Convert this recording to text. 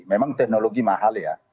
memang teknologi mahal ya